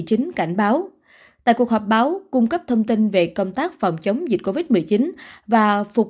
chính cảnh báo tại cuộc họp báo cung cấp thông tin về công tác phòng chống dịch covid một mươi chín và phục